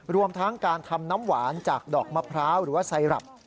รวมทั้งการทำน้ำหวานจากดอกมะพร้าวหรือว่าไซรับ